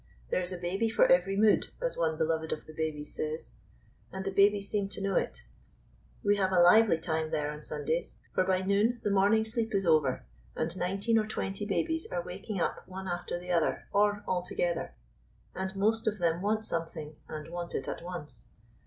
There is a baby for every mood, as one beloved of the babies says; and the babies seem to know it. We have a lively time there on Sundays; for by noon the morning sleep is over, and nineteen or twenty babies are waking up one after the other or all together. And most of them want something, and want it at once.